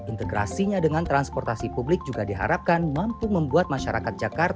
integrasinya dengan transportasi publik juga diharapkan mampu membuat masyarakat jakarta